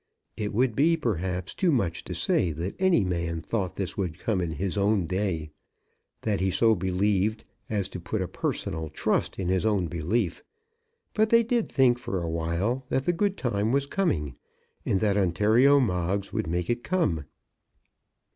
It would be, perhaps, too much to say that any man thought this would come in his own day, that he so believed as to put a personal trust in his own belief; but they did think for a while that the good time was coming, and that Ontario Moggs would make it come.